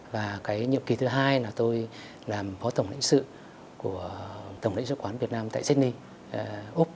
và cái nhiệm kỳ thứ hai là tôi làm phó tổng lãnh sự của tổng lãnh sự quán việt nam tại sydney úc